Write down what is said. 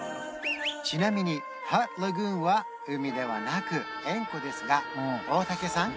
ちなみにハットラグーンは海ではなく塩湖ですが大竹さん